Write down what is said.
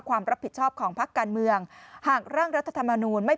ความรับผิดชอบของพักการเมืองหากร่างรัฐธรรมนูลไม่